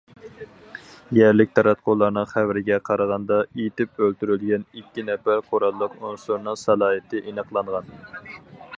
يەرلىك تاراتقۇلارنىڭ خەۋىرىگە قارىغاندا، ئېتىپ ئۆلتۈرۈلگەن ئىككى نەپەر قوراللىق ئۇنسۇرنىڭ سالاھىيىتى ئېنىقلانغان.